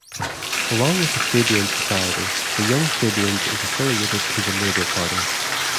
Along with the Fabian Society the Young Fabians is affiliated to the Labour Party.